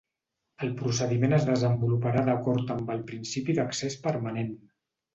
El procediment es desenvoluparà d'acord amb el principi d'accés permanent.